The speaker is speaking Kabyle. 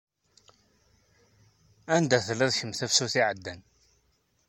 Anda telliḍ kemm tafsut iɛedda?